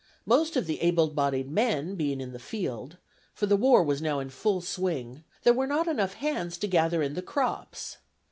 Most of the able bodied men being in the field (for the war was now in full swing) there were not enough hands to gather in the crops.